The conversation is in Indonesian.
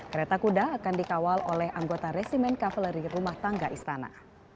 kereta kuda akan dikawal oleh anggota resimen kavaleri rumah tangga istana